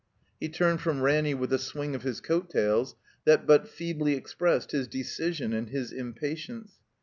k He turned from Ranny with a swing of his coat tails that but feebly expressed his decision and his impatience.